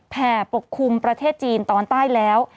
แผ่ปกคลุมประเทศจีนตอนใต้แล้ว